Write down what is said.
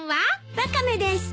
ワカメです。